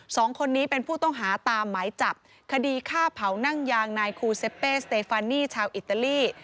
สองคนนี้เป็นผู้ต้องหาตามหมายจับคดีฆ่าเผานั่งยางนายคูเซเปสเตฟานีชาวอิตาลี